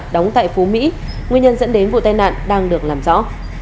đóng tại phú mỹ nguyên nhân dẫn đến vụ tai nạn đang được làm rõ